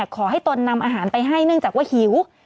ขอให้ตนนำอาหารไปให้เนื่องจากฮิว